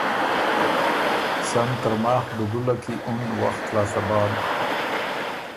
سن ترماخ ډُوګُوله کی اُن وخت لاسته بعد؟“